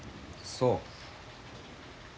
そう。